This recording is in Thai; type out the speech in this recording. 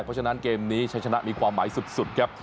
เพราะฉะนั้นเกมนี้ชัยชนะมีความหมายสุดครับ